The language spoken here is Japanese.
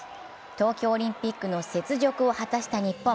東京オリンピックの雪辱を果たした日本。